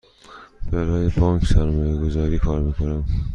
برای بانک سرمایه گذاری کار می کنم.